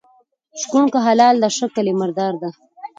شکوڼ که حلال ده شکل یي د مردار ده.